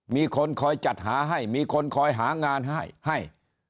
มีคนคอยจัดหาให้มีคนคอยหางานให้ให้